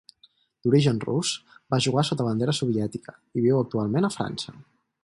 D'origen rus, va jugar sota bandera soviètica, i viu actualment a França.